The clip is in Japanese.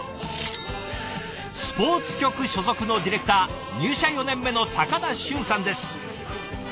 スポーツ局所属のディレクター入社４年目の高田駿さんです。